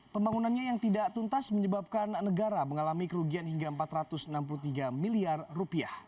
pembangunannya yang tidak tuntas menyebabkan negara mengalami kerugian hingga rp empat ratus enam puluh tiga miliar